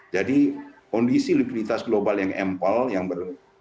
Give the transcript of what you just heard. jadi kondisi likuditas global yang ample